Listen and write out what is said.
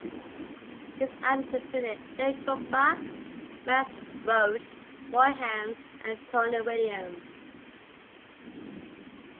His idols included Gene Krupa, Max Roach, Roy Haynes, and Tony Williams.